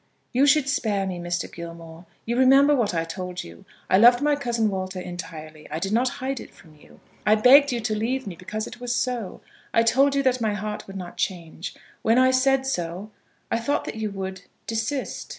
"You should spare me, Mr. Gilmore. You remember what I told you. I loved my cousin Walter entirely. I did not hide it from you. I begged you to leave me because it was so. I told you that my heart would not change. When I said so, I thought that you would desist."